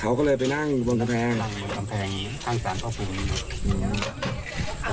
เขาก็เลยไปนั่งบนกำแพงนั่งบนกำแพงทั่งสามข้อมูลอืม